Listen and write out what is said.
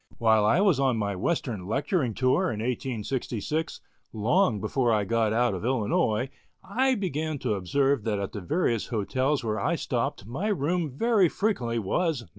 While I was on my Western lecturing tour in 1866, long before I got out of Illinois, I began to observe that at the various hotels where I stopped my room very frequently was No.